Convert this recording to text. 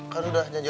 kan udah janji